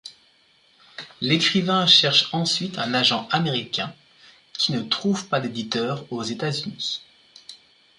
L'écrivain cherche ensuite un agent américain, qui ne trouve pas d'éditeur aux États-Unis.